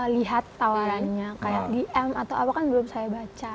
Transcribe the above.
lihat tawarannya kayak dm atau apa kan belum saya baca